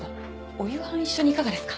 お夕飯一緒にいかがですか？